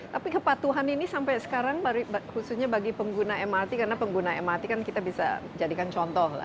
tapi kepatuhan ini sampai sekarang khususnya bagi pengguna mrt karena pengguna mrt kan kita bisa jadikan contoh lah